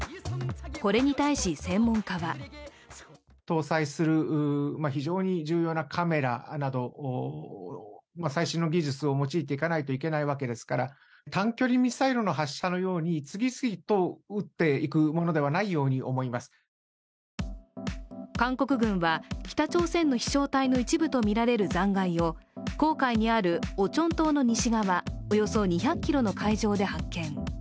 これに対し、専門家は韓国軍は北朝鮮の飛しょう体の一部とみられる残骸を黄海にあるオチョン島の西側およそ２００ｋｍの海上で発見。